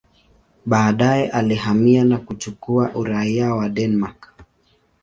Baadaye alihamia na kuchukua uraia wa Denmark.